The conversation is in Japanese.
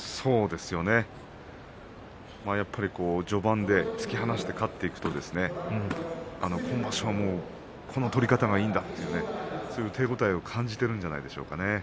やっぱり序盤で突き放して勝っていくと今場所はもうこの取り方がいいんだとそういう手応えを感じているんじゃないでしょうかね。